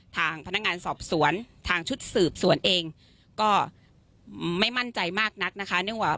ทางพนักงานสอบสวนทางชุดสืบสวนเองก็ไม่มั่นใจมากนักนะคะเนื่องว่า